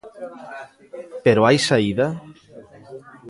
Pero hai saída?